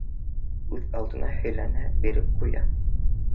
Үҙ алдына һөйләнә биреп ҡуя: